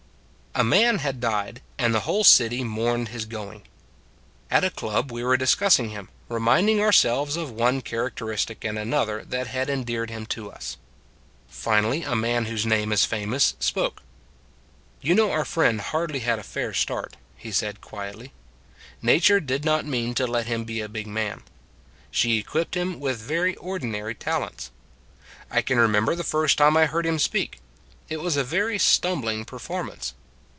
A MAN had died, and the whole city mourned his going. At a club we were discussing him, reminding ourselves of one characteristic and another that had endeared him to us. Finally a man whose name is famous spoke. " You know our friend hardly had a fair start," he said quietly. " Nature did not mean to let him be a big man. She equipped him with very ordinary talents. " I can remember the first time I heard him speak. It was a very stumbling per formance.